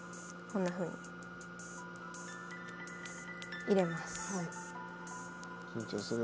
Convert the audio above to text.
こんなふうに入れます。